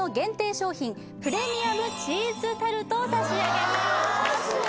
商品プレミアムチーズタルトを差し上げます